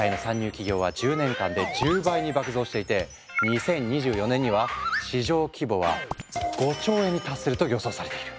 企業は１０年間で１０倍に爆増していて２０２４年には市場規模は５兆円に達すると予想されている。